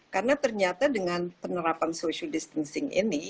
karena ternyata dengan penerapan social distancing ini